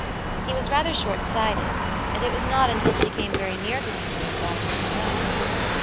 He was rather short sighted, and it was not until she came very near to him that he saw who she was.